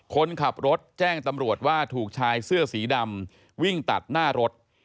คนขับรถแจ้งตำรวจว่าถูกชายเสื้อสีดำวิ่งตัดหน้ารถ